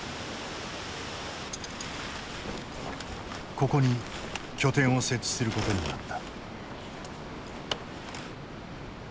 ここに拠点を設置することになった。